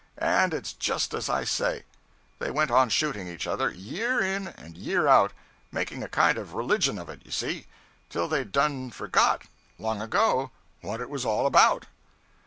And it's just as I say; they went on shooting each other, year in and year out making a kind of a religion of it, you see till they'd done forgot, long ago, what it was all about.